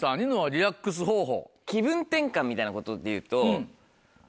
リラックス方法。